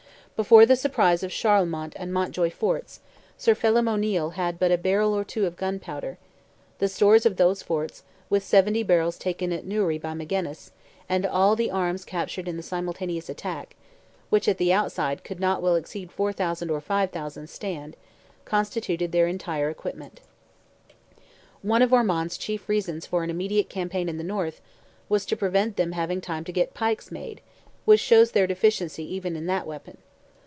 Before the surprise of Charlemont and Mountjoy forts, Sir Phelim O'Neil had but a barrel or two of gunpowder; the stores of those forts, with 70 barrels taken at Newry by Magennis, and all the arms captured in the simultaneous attack, which at the outside could not well exceed 4,000 or 5,000 stand—constituted their entire equipment. One of Ormond's chief reasons for an immediate campaign in the North was to prevent them having time to get "pikes made"—which shows their deficiency even in that weapon.